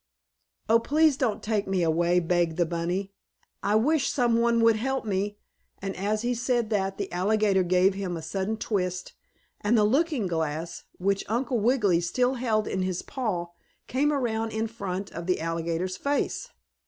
"Oh, please don't take me away!" begged the bunny. "I wish some one would help me!" and as he said that the alligator gave him a sudden twist and the looking glass, which Uncle Wiggily still held in his paw, came around in front of the alligator's face.